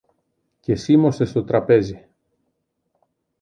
και σίμωσε στο τραπέζι.